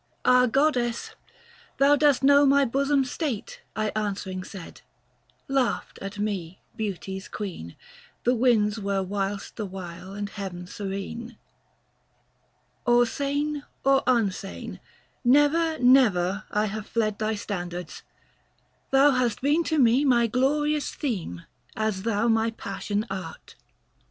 " Ah Goddess ! thou dost know my bosom's state," 1 answering said — laughed at me Beauty's queen, The winds were whist the while and Heaven serene —" Or sane or unsane, never, never I Have fled thy standards ; thou hast been to me My glorious theme, as thou my passion art.